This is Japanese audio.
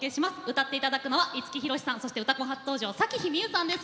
歌っていただくのは五木ひろしさんそして「うたコン」初登場の咲妃みゆさんです。